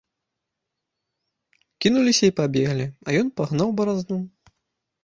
Кінуліся і пабеглі, а ён пагнаў баразну.